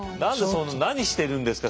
何してるんですか。